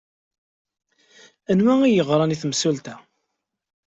Anwa ay yeɣran i temsulta?